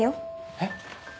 えっ？